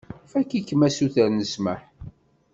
Fakk-ikem asuter n ssmaḥ.